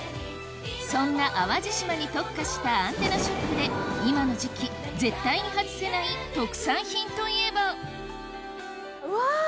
そんな淡路島に特化したアンテナショップで今の時期絶対に外せない特産品といえばうわ